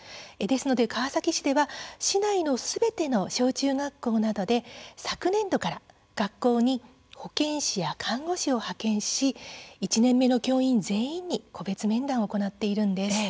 川崎市では市内のすべての小中学校などで昨年度から学校に保健師や看護師を派遣し１年目の教員全員に個別面談を行っているんです。